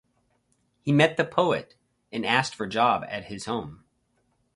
He met the poet and asked for job at his home.